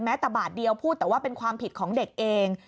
แต่บาทเดียวพูดแต่ว่าเป็นความผิดของเด็กเอง